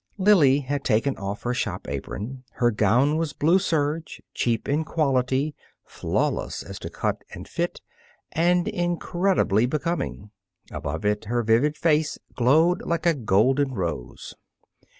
Lily had taken off her shop apron. Her gown was blue serge, cheap in quality, flawless as to cut and fit, and incredibly becoming. Above it, her vivid face glowed like a golden rose.